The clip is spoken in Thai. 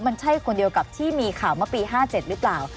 มันใช่คนเดียวกับที่มีข่าวเมื่อปี๕๗หรือเปล่า